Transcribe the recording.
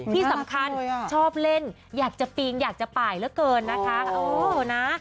ที่สำคัญชอบเล่นอยากจะปีนอยากจะป่ายเหลือเกินนะคะเออนะ